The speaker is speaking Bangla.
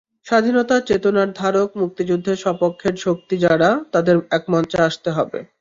স্বাধীনতার চেতনার ধারক মুক্তিযুদ্ধের সপক্ষের শক্তি যারা, তাদের একমঞ্চে আসতে হবে।